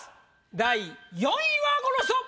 第４位はこの人！